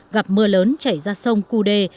gặp mưa lớn chảy ra sông cu đê